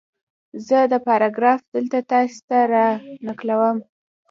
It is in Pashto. زه دا پاراګراف دلته تاسې ته را نقلوم